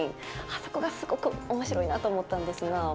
あそこがすごくおもしろいなと思ったんですが。